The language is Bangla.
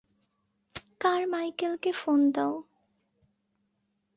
কারমাইকেলকে ফোন দাও।